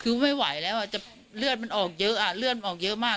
คือไม่ไหวแล้วอ่ะจะเลือดมันออกเยอะอ่ะเลือดมันออกเยอะมาก